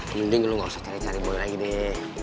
mending lo gak usah cari cari boy lagi deh